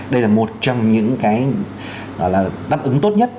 đây là một trong những cái đáp ứng tốt nhất